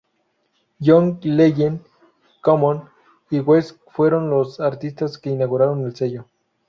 John Legend, Common y West fueron los artistas que inauguraron el sello.